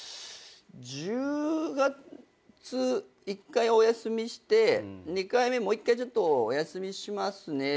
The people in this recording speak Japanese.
１０月１回お休みして２回目もう一回ちょっとお休みしますねぐらい。